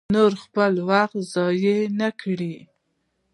نور خپل وخت ضایع نه کړي.